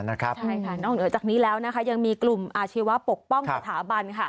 ใช่ค่ะนอกเหนือจากนี้แล้วยังมีกลุ่มอาชีวะปกป้องสถาบัน